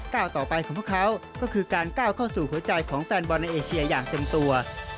ก้าวต่อไปของพวกเขาก็คือการก้าวเข้าสู่หัวใจของแฟนบอลในเอเชียอย่างเต็มตัว